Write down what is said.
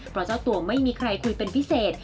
เพราะเจ้าตัวไม่มีใครคุยเป็นพิเศษ